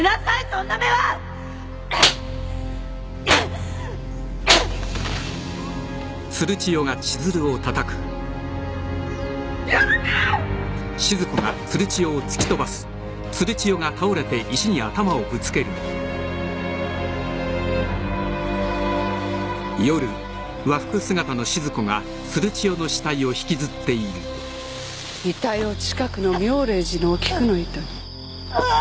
遺体を近くの妙霊寺の於菊の井戸に。